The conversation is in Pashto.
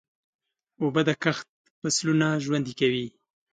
اوبه د کښت فصلونه ژوندي کوي.